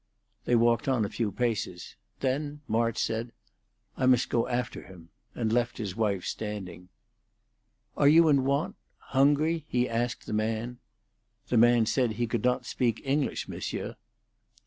They walked on a few paces. Then March said, "I must go after him," and left his wife standing. "Are you in want hungry?" he asked the man. The man said he could not speak English, Monsieur.